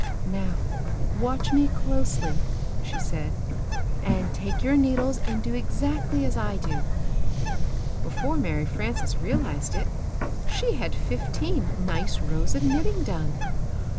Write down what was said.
''Now, watch me closely," she said, "and take your needles and do exactly as I do." Before Mary Frances realized it, she had fifteen nice rows of knitting done.